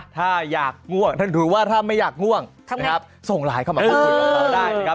ถ้าอยากง่วงท่านถือว่าถ้าไม่อยากง่วงส่งไลน์เข้ามาพูดกันได้นะครับ